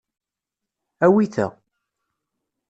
Awi ta.